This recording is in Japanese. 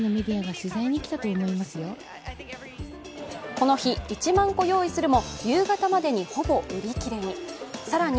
この日、１万個用意するも夕方までにほぼ売り切れに。